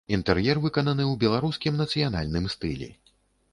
Інтэр'ер выкананы ў беларускім нацыянальным стылі.